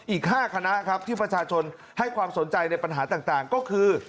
อีก๕คณะครับที่ประชาชนให้ความสนใจในปัญหาต่างก็คือ